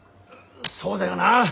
そうだよな！